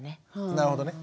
なるほど。